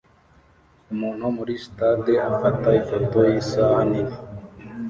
Umuntu muri sitade afata ifoto yisaha nini